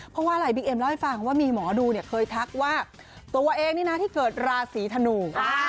เพราะว่าอะไรบิ๊กเอ็มเล่าให้ฟังว่ามีหมอดูเนี่ยเคยทักว่าตัวเองนี่นะที่เกิดราศีธนู